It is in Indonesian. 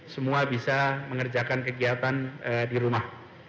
semua bisa mengerjakan kegiatan di rumah